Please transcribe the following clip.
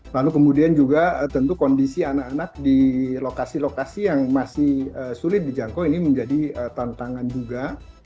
lalu kemudian juga tentu kondisi anak anak di lokasi lokasi yang masih sulit dijangkau ini menjadi tantangan juga